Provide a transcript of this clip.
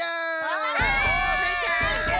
はい！スイちゃん！